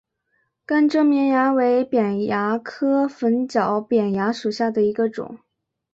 甘蔗绵蚜为扁蚜科粉角扁蚜属下的一个种。